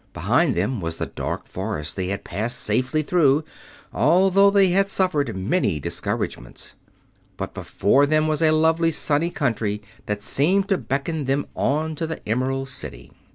Behind them was the dark forest they had passed safely through, although they had suffered many discouragements; but before them was a lovely, sunny country that seemed to beckon them on to the Emerald City.